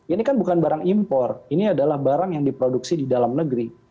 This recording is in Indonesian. ini kan bukan barang impor ini adalah barang yang diproduksi di dalam negeri